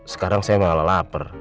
sekarang saya malah lapar